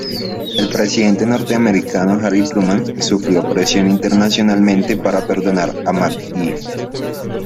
El presidente norteamericano Harry Truman sufrió presión internacionalmente para perdonar a McGee.